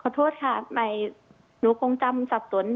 ขอโทษค่ะหนูคงจำสับสนแม่ที่